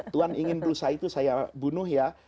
tuhan ingin rusa itu saya bunuh ya